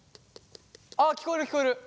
あ聞こえる聞こえる。